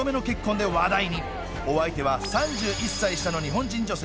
で話題にお相手は３１歳下の日本人女性